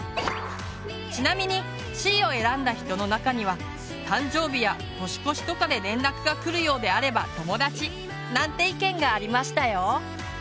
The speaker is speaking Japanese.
ちなみにＣを選んだ人の中には「誕生日や年越しとかで連絡がくるようであれば友達」なんて意見がありましたよ。